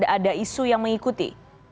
ada isu yang mengikuti